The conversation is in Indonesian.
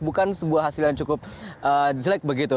bukan sebuah hasil yang cukup jelek begitu